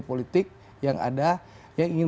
politik yang ada yang ingin